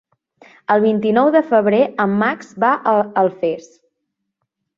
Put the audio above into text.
El vint-i-nou de febrer en Max va a Alfés.